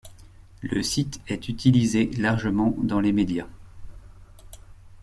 Le site est utilisé largement dans les médias.